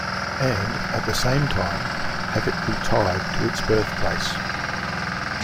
And, at the same time, have it be tied to its birthplace.